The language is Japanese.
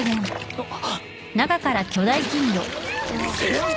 あっ！